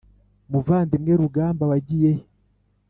muvandimwe rugamba wagiyehe